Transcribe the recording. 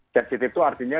sensitive itu artinya